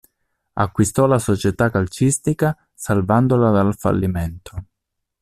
Acquistò la società calcistica salvandola dal fallimento.